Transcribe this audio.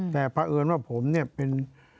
แต่เพราะเอิญว่าผมเนี่ยเป็น